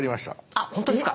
あっほんとですか？